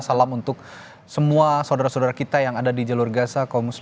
salam untuk semua saudara saudara kita yang ada di jalur gaza